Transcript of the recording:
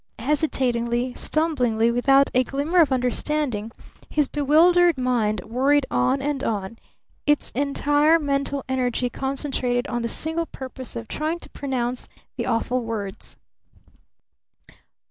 Hesitatingly, stumblingly, without a glimmer of understanding, his bewildered mind worried on and on, its entire mental energy concentrated on the single purpose of trying to pronounce the awful words.